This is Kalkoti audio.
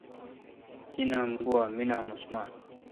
تی نام گوا می نام عثمان